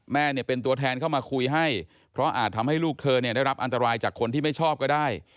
แม่เนี่ยเป็นตัวแทนเข้ามาคุยให้เพราะอาจทำให้ลูกเธอเนี่ยได้รับอันตรายจากคนที่ไม่ชอบก็ได้